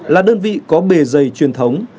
là đơn vị có bề dày truyền thống